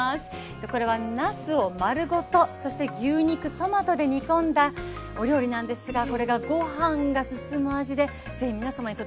これはなすを丸ごとそして牛肉トマトで煮込んだお料理なんですがこれがご飯が進む味で是非皆さまに届けたい。